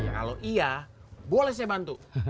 kalau iya boleh saya bantu